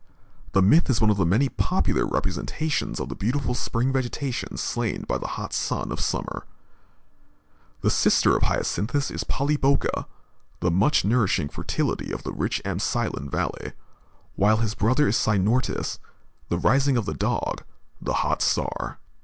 The myth is one of the many popular representations of the beautiful spring vegetation slain by the hot sun of summer. The sister of Hyacinthus is Polyboca, the much nourishing fertility of the rich Amyclæan valley; while his brother is Cynortas, the rising of the dog (the hot) star.